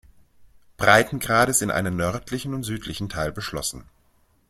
Breitengrades in einen nördlichen und südlichen Teil beschlossen.